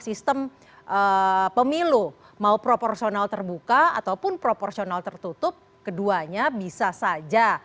sistem pemilu mau proporsional terbuka ataupun proporsional tertutup keduanya bisa saja